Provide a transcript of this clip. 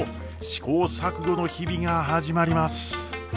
試行錯誤の日々が始まります。